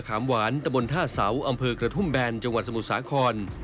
ขามหวานตะบนท่าเสาอำเภอกระทุ่มแบนจังหวัดสมุทรสาคร